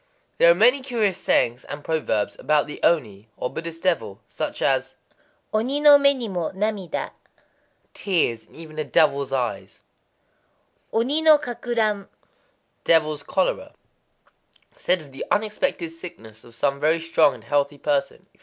There are many curious sayings and proverbs about the oni, or Buddhist devil,—such as Oni no mé ni mo namida, "tears in even a devil's eyes;"—Oni no kakuran, "devil's cholera" (said of the unexpected sickness of some very strong and healthy person), etc.